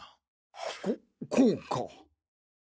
ここうか。